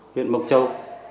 huyện mộc châu